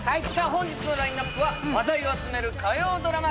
本日のラインナップは話題を集める火曜ドラマ